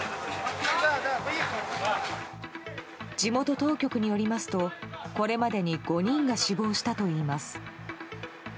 地元当局によりますとこれまでに５人が死亡したといいます。